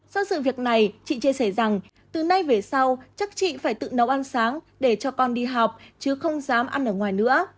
sau sự việc này chị chia sẻ rằng từ nay về sau chắc chị phải tự nấu ăn sáng để cho con đi học chứ không dám ăn ở ngoài nữa